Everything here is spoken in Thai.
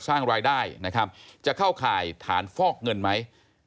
สร้างรายได้นะครับจะเข้าข่ายฐานฟอกเงินไหม